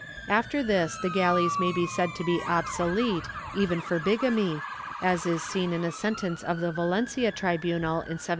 After this the galleys may be said to be obsolete, even for bigamy, as is seen in a sentence of the Valencia tribunal in 1781.